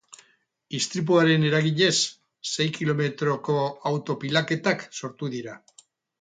Istripuaren eraginez, sei kilometroko auto-pilaketak sortu dira.